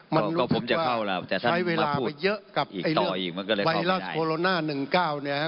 มันรู้สึกว่าใช้เวลาไปเยอะกับไอ้เรื่องไวรัสโคโรน่าหนึ่งเก้าเนี่ยฮะ